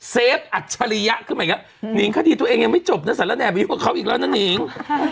เซฟอัจฉะรียะเข้าไปแล้วขึ้นมาเนี่ยหนิงคดีตัวเองยังไม่จบนะสั่นแรมพี่กับเขาอีกแล้วนะหนิง